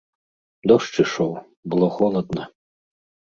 Дождж ішоў, было холадна.